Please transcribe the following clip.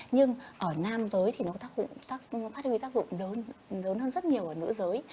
nhưng ở nam giới thì nó có tác dụng lớn hơn rất nhiều ở nữ giới